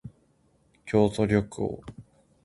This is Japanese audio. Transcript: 京都旅行